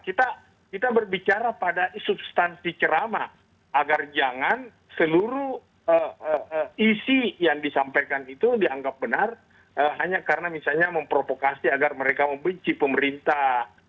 kita berbicara pada substansi ceramah agar jangan seluruh isi yang disampaikan itu dianggap benar hanya karena misalnya memprovokasi agar mereka membenci pemerintah